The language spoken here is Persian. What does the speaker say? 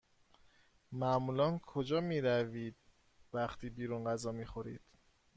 معمولا کجا می روید وقتی بیرون غذا می خورید؟